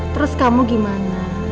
terus kamu gimana